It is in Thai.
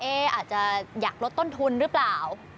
อาจจะอยากลดต้นทุนหรือเปล่า